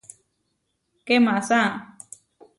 ¡Kemasá!